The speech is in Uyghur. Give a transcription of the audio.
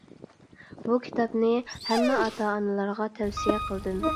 بۇ كىتابنى ھەممە ئاتا-ئانىلارغا تەۋسىيە قىلدىم!